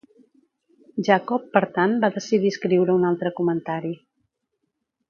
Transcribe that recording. Jacob per tant va decidir escriure un altre comentari.